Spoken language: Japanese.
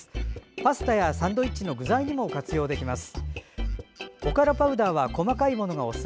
パスタやサンドイッチの具材にも活用できます。